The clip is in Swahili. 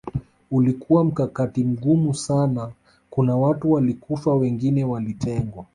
Ulikuwa mkakati mgumu sana kuna watu walikufa wengine walitengwa